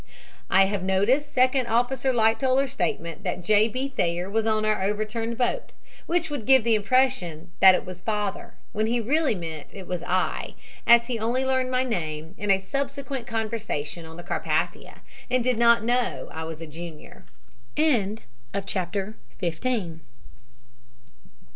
"I have noticed Second Officer Lightoller's statement that 'J. B. Thayer was on our overturned boat,' which would give the impression that it was father, when he really meant it was I, as he only learned my name in a subsequent conversation on the Carpathia, and did not know I was 'junior'." CHAPTER XVI.